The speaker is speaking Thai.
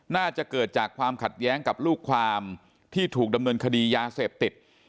น่าจะเกิดจากความขัดแย้งกับลูกความที่ถูกดำเนินคดียาเสพติด